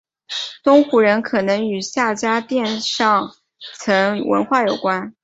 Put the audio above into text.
东胡人可能与夏家店上层文化相关。